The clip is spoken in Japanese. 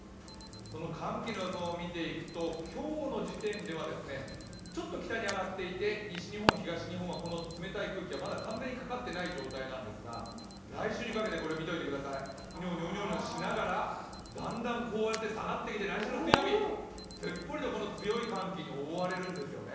その寒気の予想を見ていくと、今日の時点ではちょっと北に上がっていて、西日本、東日本はこの冷たい空気がまだ完全にかかってない状態なんですが、来週にかけてうにょうにょしながらだんだん下がってきて来週の水曜日、すっぽりとこの強い寒気に覆われるんですよね。